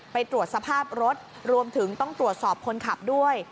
ไปตรวจสภาพรถรวมถึงต้องตรวจสอบคนขับด้วย